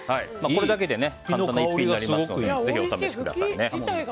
これだけで簡単な一品になりますのでぜひお試しください。